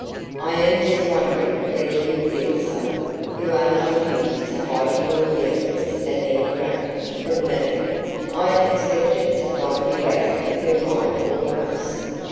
"I am just wondering whether you feel so. You are not used to hiding your feelings at any rate, from me. I expected to find you out of your mind almost."